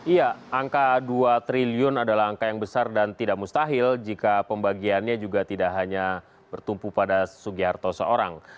iya angka dua triliun adalah angka yang besar dan tidak mustahil jika pembagiannya juga tidak hanya bertumpu pada sugiharto seorang